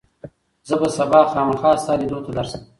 زه به سبا خامخا ستا لیدو ته درشم.